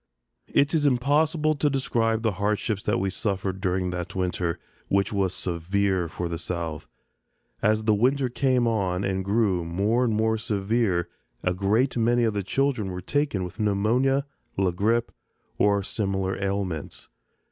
It is impossible to describe the hardships that we suffered during that winter, which was severe for the South. As the winter came on and grew more and more severe a great many of the children were taken with pneumonia, la grippe, and similar ailments.